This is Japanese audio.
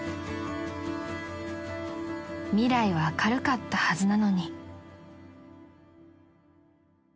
［未来は明るかったはずなのに］